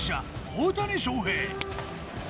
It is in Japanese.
大谷翔平